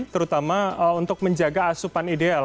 terutama untuk menjaga asupan ideal